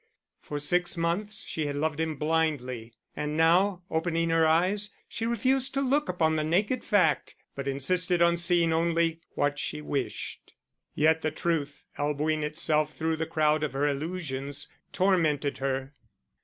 For six months she had loved him blindly; and now, opening her eyes, she refused to look upon the naked fact, but insisted on seeing only what she wished. Yet, the truth, elbowing itself through the crowd of her illusions, tormented her.